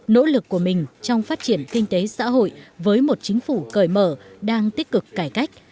nỗ lực của mình trong phát triển kinh tế xã hội với một chính phủ cởi mở đang tích cực cải cách